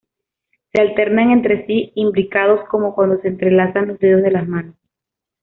Se alternan entre sí imbricados como cuando se entrelazan los dedos de las manos.